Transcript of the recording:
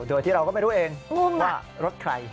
โดยที่เราก็ไม่รู้เองว่ารถใคร